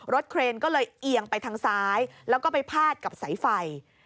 เครนก็เลยเอียงไปทางซ้ายแล้วก็ไปพาดกับสายไฟ